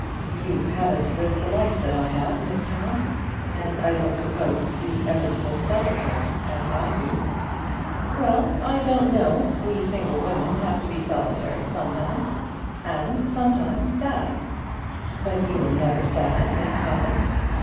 "You haven't lived the life that I have, Miss Todd, and I don't suppose you ever feel solitary as I do." "Well, I don't know. We single women have to be solitary sometimes and sometimes sad." "But you're never sad, Miss Todd."